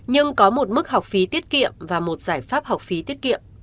nhưng có một mức học phí tiết kiệm và một giải pháp học phí tiết kiệm